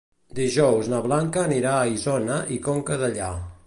Dijous na Blanca anirà a Isona i Conca Dellà.